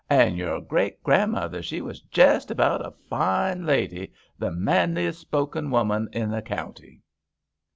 An' your great grandmother, she was jest about a fine lady ; the manliest spoken women i' the county."